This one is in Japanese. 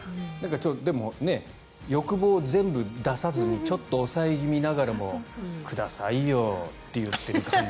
でも、欲望を全部出さずにちょっと抑え気味ながらもくださいよって言ってる感じ。